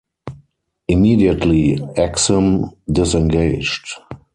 Immediately "Axum" disengaged.